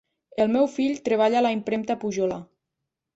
El meu fill treballa a la impremta Pujolar.